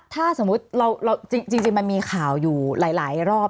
ถ้าสมมุติเราจริงมันมีข่าวอยู่หลายรอบ